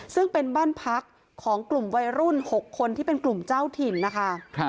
ซึ่งเป็นบ้านพักของกลุ่มวัยรุ่น๖คนที่เป็นกลุ่มเจ้าถิ่นนะคะ